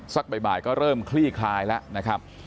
สักบ่ายก็เริ่มคลี่คลายแล้วนะครับ